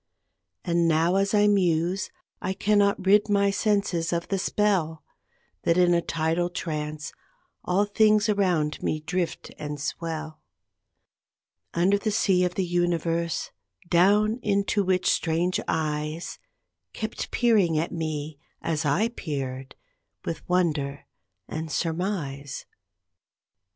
And now, as I muse, I cannot rid my senses of the spell That in a tidal trance all things around me drift and swell Under the sea of the Universe, down into which strange eyes Keep peering at me, as I peered, with wonder and surmise.